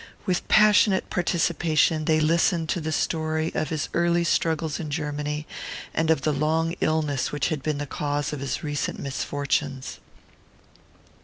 With passionate participation they listened to the story of his early struggles in Germany, and of the long illness which had been the cause of his recent misfortunes.